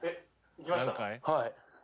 はい。